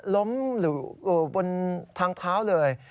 ล้มอยู่บนทางเท้าเลย